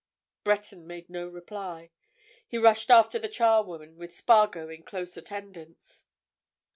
Breton made no reply. He rushed after the charwoman, with Spargo in close attendance.